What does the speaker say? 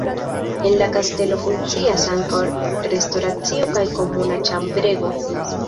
En la kastelo funkcias ankaŭ restoracio kaj komuna ĉambrego.